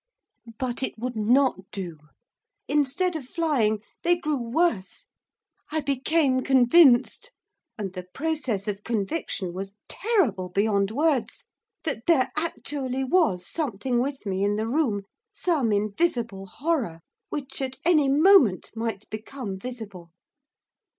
But it would not do. Instead of flying, they grew worse. I became convinced, and the process of conviction was terrible beyond words! that there actually was something with me in the room, some invisible horror, which, at any moment, might become visible.